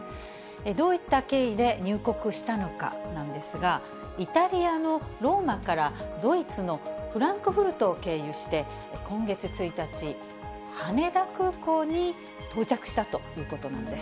どういった経緯で入国したのかなんですが、イタリアのローマからドイツのフランクフルトを経由して、今月１日、羽田空港に到着したということなんです。